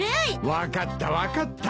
分かった分かった。